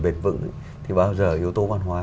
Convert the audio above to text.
bền vững thì bao giờ yếu tố văn hóa